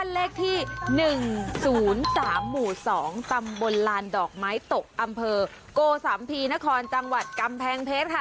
ไหนตกอำเภอกโกสัมพีนครจังหวัดกำแพงเพชรค่ะ